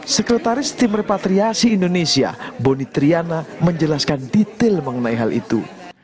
sekretaris tim repatriasi indonesia boni triana menjelaskan detail mengenai hal itu